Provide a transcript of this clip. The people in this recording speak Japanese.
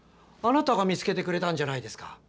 あなたが見つけてくれたんじゃないですか。